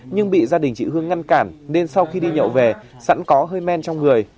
nhưng bị gia đình chị hương ngăn cản nên sau khi đi nhậu về sẵn có hơi men trong người